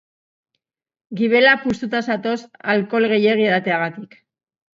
Gibela puztuta zatoz alkohol gehiei edateagatik.